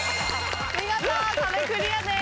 見事壁クリアです。